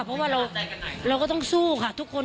เพราะว่าเราก็ต้องสู้ค่ะทุกคน